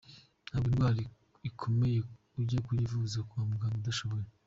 Ntabwo indwara ikomeye ujya kuyivuza ku muganga udashoboye.